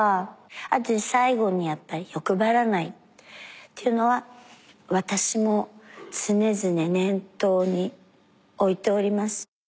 後最後にやっぱりっていうのは私も常々念頭に置いております。